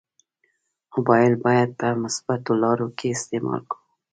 مبایل باید په مثبتو لارو کې استعمال کړو.